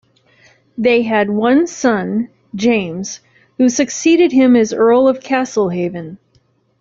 They had one son, James, who succeeded him as Earl of Castlehaven.